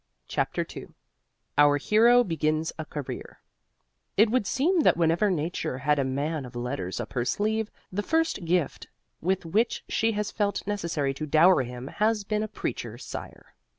CHAPTER II (OUR HERO BEGINS A CAREER) "It would seem that whenever Nature had a man of letters up her sleeve, the first gift with which she has felt necessary to dower him has been a preacher sire."